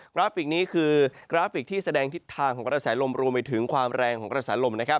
ราฟิกนี้คือกราฟิกที่แสดงทิศทางของกระแสลมรวมไปถึงความแรงของกระแสลมนะครับ